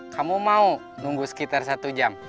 kamu mau nunggu sekitar satu jam